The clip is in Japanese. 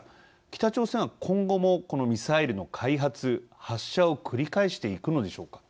北朝鮮は今後もこのミサイルの開発・発射を繰り返していくのでしょうか。